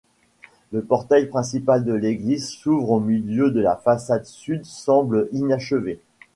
Le portail principal de l’église, s’ouvre au milieu de la façade sud semble inachevé.